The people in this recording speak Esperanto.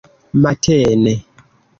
matene